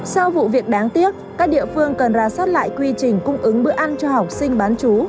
sau vụ việc đáng tiếc các địa phương cần ra soát lại quy trình cung ứng bữa ăn cho học sinh bán chú